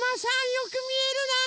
よくみえるな！